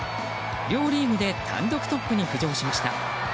両リーグで単独トップに浮上しました。